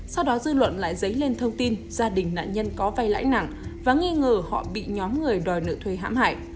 sau đó dư luận lại dấy lên thông tin gia đình nạn nhân có vay lãi nặng và nghi ngờ họ bị nhóm người đòi nợ thuê hãm hại